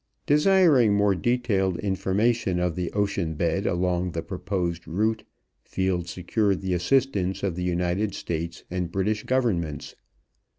Desiring more detailed information of the ocean bed along the proposed route, Field secured the assistance of the United States and British governments.